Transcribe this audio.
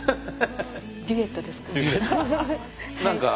デュエットですか？